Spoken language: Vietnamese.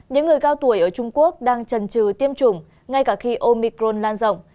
những người cao tuổi ở trung quốc đang trần trừ tiêm chủng ngay cả khi omicron lan rộng